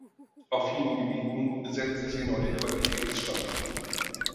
Auf vielen Gebieten setzte sie neue Qualitätsstandards.